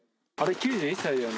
９１歳だよね？